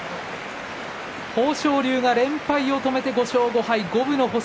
豊昇龍が連敗を止めて５勝５敗五分の星。